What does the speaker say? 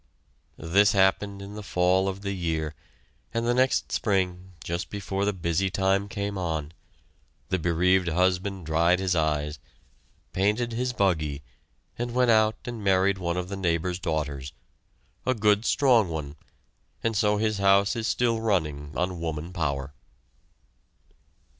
This happened in the fall of the year, and the next spring, just before the busy time came on, the bereaved husband dried his eyes, painted his buggy, and went out and married one of the neighbor's daughters, a good strong one and so his house is still running on woman power.